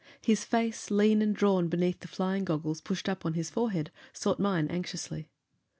His face, lean and drawn beneath the flying goggles pushed up on his forehead, sought mine anxiously.